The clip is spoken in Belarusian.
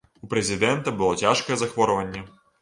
У прэзідэнта было цяжкае захворванне.